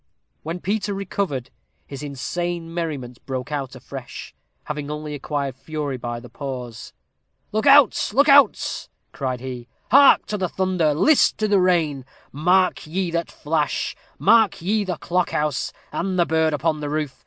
When Peter recovered, his insane merriment broke out afresh, having only acquired fury by the pause. "Look out, look out!" cried he; "hark to the thunder list to the rain! Marked ye that flash marked ye the clock house and the bird upon the roof?